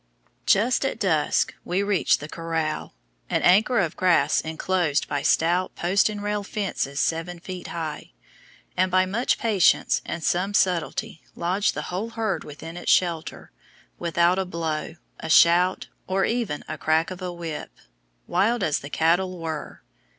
Just at dusk we reached the corral an acre of grass enclosed by stout post and rail fences seven feet high and by much patience and some subtlety lodged the whole herd within its shelter, without a blow, a shout, or even a crack of a whip, wild as the cattle were.